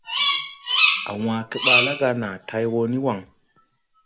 A wãã keɓaa la ga na tay wo ni waŋ.